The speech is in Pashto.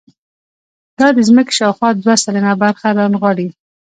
دا د ځمکې شاوخوا دوه سلنه برخه رانغاړي.